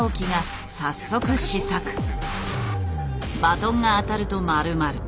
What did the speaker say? バトンが当たると丸まる。